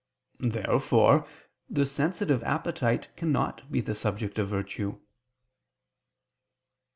Therefore the sensitive appetite cannot be the subject of virtue.